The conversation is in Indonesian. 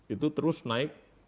itu terus naik